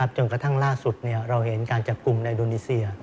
จนกระทั่งล่าสุดเราเห็นการจับกลุ่มในอินโดนีเซีย